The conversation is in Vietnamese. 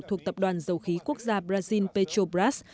thuộc tập đoàn dầu khí quốc gia brazil petrobras